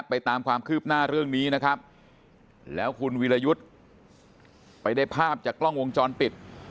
ตามความคืบหน้าเรื่องนี้นะครับแล้วคุณวิรยุทธ์ไปได้ภาพจากกล้องวงจรปิด